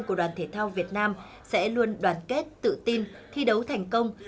của đoàn thể thao việt nam sẽ luôn đoàn kết tự tin thi đấu thành công